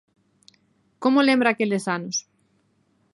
Como lembra aqueles anos?